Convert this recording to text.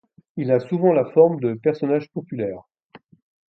Il a souvent la forme de personnages populaires.